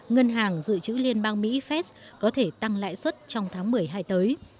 ngân hàng dự trữ liên bang mỹ fed có thể tăng lãi suất trong tháng một mươi hai tới